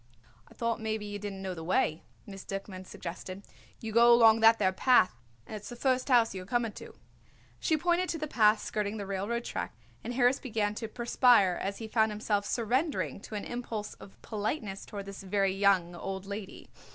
"I thought maybe you didn't know the way," Miss Duckman suggested. "You go along that there path and it's the first house you are coming to." She pointed to the path skirting the railroad track, and Harris began to perspire as he found himself surrendering to an impulse of politeness toward this very young old lady.